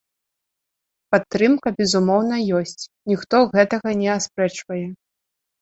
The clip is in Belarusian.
Падтрымка, безумоўна, ёсць, ніхто гэтага не аспрэчвае.